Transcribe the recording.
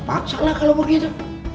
paksalah kalau begitu